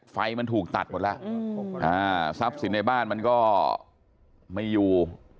ไฟมันถูกตัดหมดแล้วทรัพย์สินในบ้านมันก็ไม่อยู่